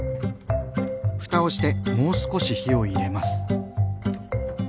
ふたをしてもう少し火を入れます。